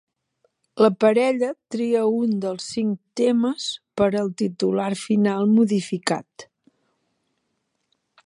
La parella tria un dels cinc temes per al titular final modificat.